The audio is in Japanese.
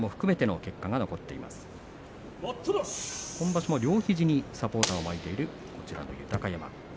今場所、両肘にサポーターを巻いている豊山です。